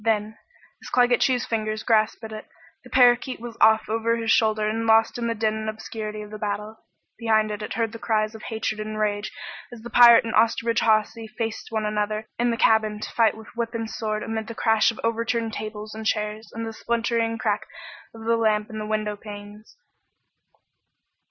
Then, as Claggett Chew's fingers grasped at it, the parakeet was off over his shoulder and lost in the din and obscurity of the battle. Behind it it heard the cries of hatred and rage as the pirate and Osterbridge Hawsey faced one another in the cabin to fight with whip and sword amid the crash of overturned tables and chairs and the splintering crack of the lamp and the windowpanes.